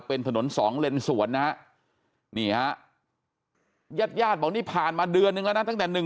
เป็นถนน๒เลนส์สวนนะนี่ยาดบอกนี่ผ่านมาเดือนนึงแล้วนะตั้งแต่